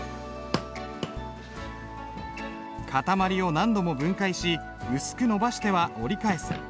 塊を何度も分解し薄くのばしては折り返す。